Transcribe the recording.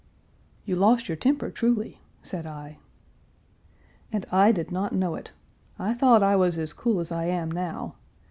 "You lost your temper truly," said I. "And I did not know it. I thought I was as cool as I am now.